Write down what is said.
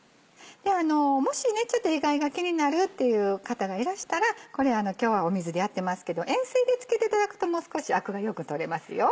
もしイガイガ気になるっていう方がいらしたら今日は水でやってますけど塩水でつけていただくともう少しアクがよく取れますよ。